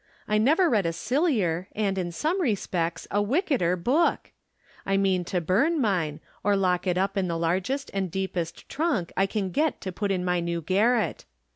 I never read a sillier, and, ' in some respects, a wickeder book ! I mean to burn mine, or lock it up in the largest and deep est trunk I can get to put in my new garret.